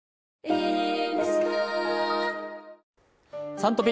「Ｓｕｎトピ」